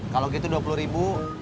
kalau gitu rp dua puluh